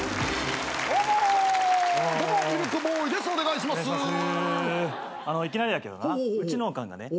いきなりやけどなうちのおかんがね